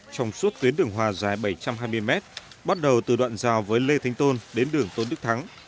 trong suốt tuyến đường hoa dài bảy trăm hai mươi m bắt đầu từ đoạn rào với lê thánh tôn đến đường tôn đức thắng